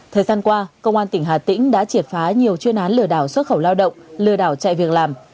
thời gian qua công an tỉnh hà tĩnh đã triệt phá nhiều chuyên án lừa đảo xuất khẩu lao động lừa đảo chạy việc làm